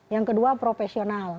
yang kedua profesional